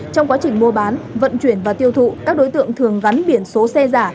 trong quá trình mua bán vận chuyển và tiêu thụ các đối tượng thường gắn biển số xe giả